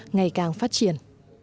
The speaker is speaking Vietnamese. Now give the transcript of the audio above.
ngày càng phát triển